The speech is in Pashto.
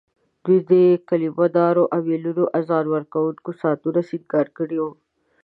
دوی د کلیمه دارو امېلونو، اذان ورکوونکو ساعتو سینګار کړي وو.